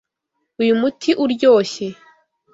Uyu muti uryoshye.